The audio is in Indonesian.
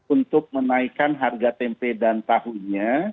untuk menaikkan harga tempe dan tahunya